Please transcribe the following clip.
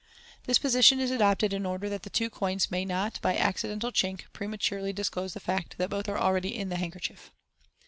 This position is adopted in order that the two coins may not, by any accidental chink, prematurely disclose the fact that both are already in the handkerchief.